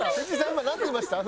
今なんて言いました？」。